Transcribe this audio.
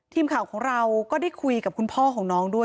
ทีมข่าวของเราก็ได้คุยกับคุณพ่อของน้องด้วย